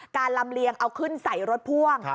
ลำเลียงเอาขึ้นใส่รถพ่วง